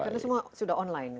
karena semua sudah online